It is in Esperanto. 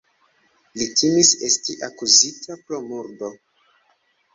Li timis esti akuzita pro murdo.